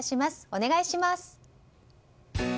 お願いします。